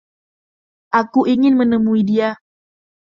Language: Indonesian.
Aku ingin menemui dia.